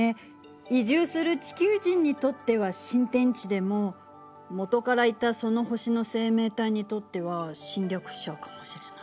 移住する地球人にとっては新天地でも元からいたその星の生命体にとっては侵略者かもしれない。